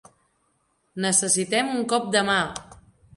Necessitem un cop de mà!